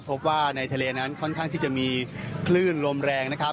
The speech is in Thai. พบว่าในทะเลนั้นค่อนข้างที่จะมีคลื่นลมแรงนะครับ